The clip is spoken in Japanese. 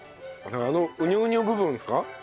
あのウニョウニョ部分ですか？